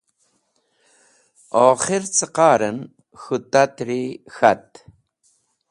Okhir cẽ qar en k̃hu tat’ri k̃at.